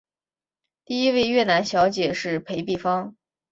第一位越南小姐是裴碧芳。